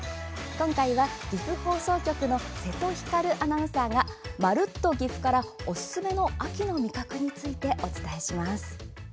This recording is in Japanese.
今回は、岐阜放送局の瀬戸光アナウンサーが「まるっと！ぎふ」からおすすめの秋の味覚についてお伝えします。